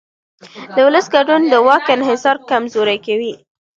د ولس ګډون د واک انحصار کمزوری کوي